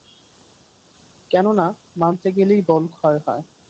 কেননা মানতে গেলেই বলক্ষয় হয়।